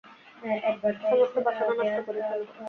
সমস্ত বাসনা নষ্ট করে ফেল।